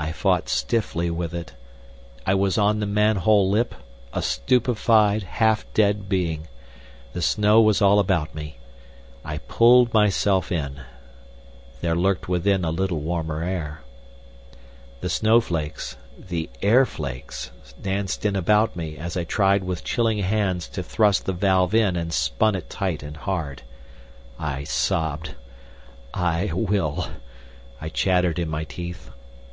I fought stiffly with it. I was on the manhole lip, a stupefied, half dead being. The snow was all about me. I pulled myself in. There lurked within a little warmer air. The snowflakes—the airflakes—danced in about me, as I tried with chilling hands to thrust the valve in and spun it tight and hard. I sobbed. "I will," I chattered in my teeth.